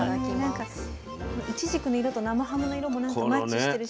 なんかいちじくの色と生ハムの色もマッチしてるし。